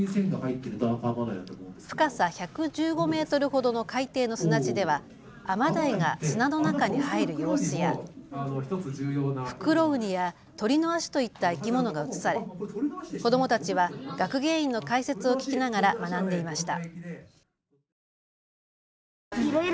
深さ１１５メートルほどの海底の砂地ではアマダイが砂の中に入る様子やフクロウニやトリノアシといった生き物が映され子どもたちは学芸員の解説を聞きながら学んでいました。